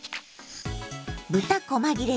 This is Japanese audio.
豚こま切れ